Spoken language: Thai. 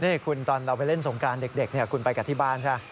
นี่คุณตอนเราไปเล่นสงการเด็กคุณไปกันที่บ้านซะ